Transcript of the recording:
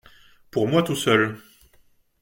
Pour moi tout seul.